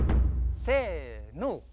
せの。